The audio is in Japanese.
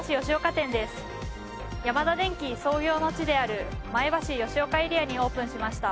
ヤマダデンキ創業の地である前橋吉岡エリアにオープンしました。